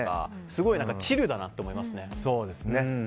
すごいチルだなって思いますね。